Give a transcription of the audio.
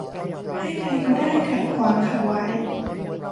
ให้ใครก็ได้ขัดขวางเขาไว้